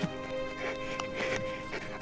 bapak mau mandi